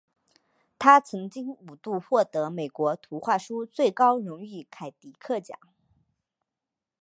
他曾经五度获得美国图画书最高荣誉凯迪克奖。